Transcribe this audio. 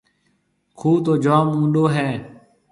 کُوه تو جوم اُونڏو هيَ۔